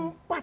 yang di depan